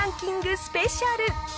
スペシャル！